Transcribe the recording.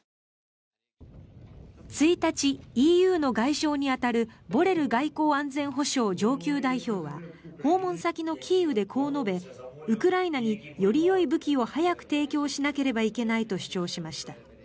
１日、ＥＵの外相に当たるボレル外交安全保障上級代表は訪問先のキーウでこう述べウクライナによりよい武器を早く提供しなければいけないと主張しました。